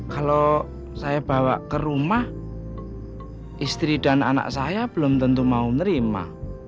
kalau saya bawa ke rumah istri dan anak saya belum tentu mau nerima